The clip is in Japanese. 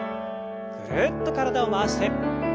ぐるっと体を回して。